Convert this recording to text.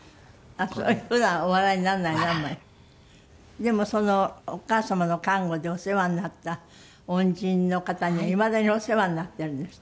でもそのお母様の看護でお世話になった恩人の方にいまだにお世話になってるんですって？